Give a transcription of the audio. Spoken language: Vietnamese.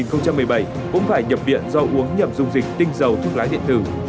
năm hai nghìn một mươi bảy cũng phải nhập viện do uống nhập dung dịch tinh dầu thuốc lá điện tử